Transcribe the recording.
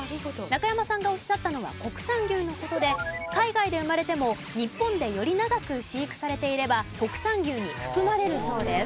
中山さんがおっしゃったのは国産牛の事で海外で生まれても日本でより長く飼育されていれば国産牛に含まれるそうです。